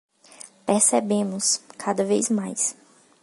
Percebemos, cada vez mais